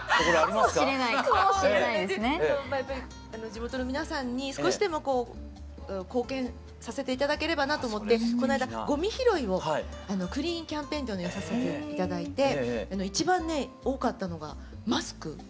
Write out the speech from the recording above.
地元の皆さんに少しでもこう貢献させて頂ければなと思ってこの間ごみ拾いをクリーンキャンペーンをさせて頂いて一番ね多かったのがマスク。